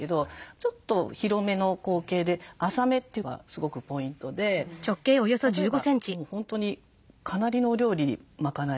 ちょっと広めの口径で浅めというのがすごくポイントで例えばもう本当にかなりのお料理賄える。